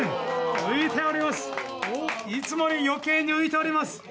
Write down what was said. いつもより余計に浮いております。